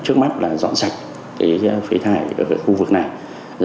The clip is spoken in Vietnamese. trước mắt là dọn sạch phế thải ở khu vực này